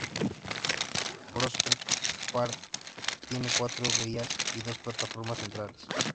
Prospect Park tiene cuatro vías y dos plataformas centrales.